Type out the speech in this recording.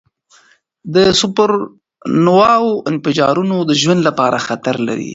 د سوپرنووا انفجارونه د ژوند لپاره خطر لري.